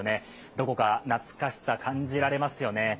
どこか懐かしさ、感じられますよね。